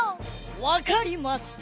わかりました。